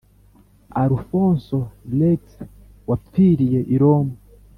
alphonso rex wapfiriye i roma